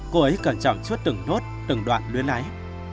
cô ấy cần chẳng chút từng nốt từng đoạn luyến lái